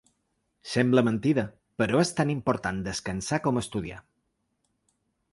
Sembla mentida, però és tan important descansar com estudiar.